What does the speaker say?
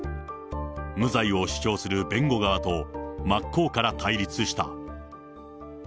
無罪を主張する弁護側と、真っ向から対立した。